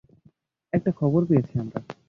একটা খবর পেয়েছি আমরা।